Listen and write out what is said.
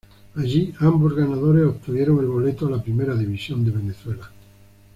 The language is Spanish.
Allí ambos ganadores obtuvieron el boleto a la Primera División de Venezuela.